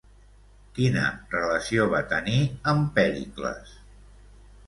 Quina relació va tenir amb Pèricles?